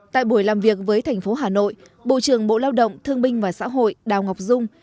tại buổi làm việc với thành phố hà nội bộ trưởng bộ lao động thương binh và xã hội đào ngọc dung